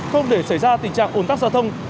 không để xảy ra tình trạng ồn tắc giao thông